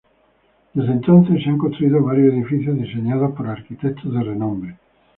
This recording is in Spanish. Desde entonces, se han construido varios edificios diseñados por arquitectos de renombre.